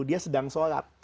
dia sedang sholat